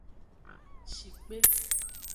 Shikpe.